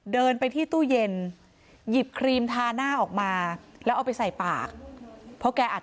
เดินไปที่ตู้เย็นหยิบครีมทาหน้าออกมา